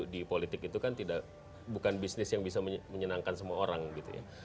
di politik itu kan bukan bisnis yang bisa menyenangkan semua orang gitu ya